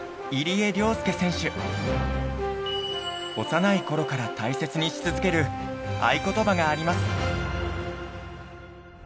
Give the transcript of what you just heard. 幼い頃から大切にし続ける愛ことばがあります。